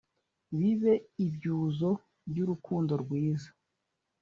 bibe ibyuzo by’urukundo rwiza